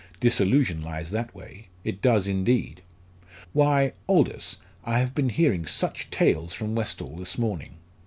Disillusion lies that way! it does indeed. Why Aldous! I have been hearing such tales from Westall this morning.